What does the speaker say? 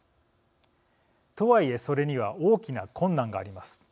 とは言えそれには大きな困難があります。